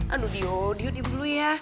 aduh dihode hode dulu ya